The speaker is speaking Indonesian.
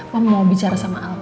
mama mau bicara sama al